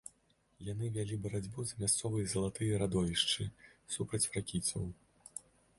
Яны вялі барацьбу за мясцовыя залатыя радовішчы супраць фракійцаў.